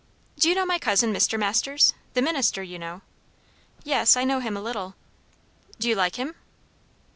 "Do you know my cousin, Mr. Masters? the minister, you know?" "Yes, I know him a little." "Do you like him?"